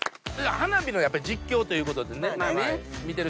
花火の実況ということでね見てる人に伝える。